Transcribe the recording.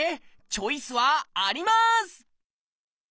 チョイスはあります！